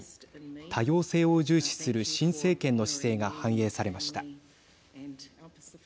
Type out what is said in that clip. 多様性を重視する新政権の姿勢が反映されました。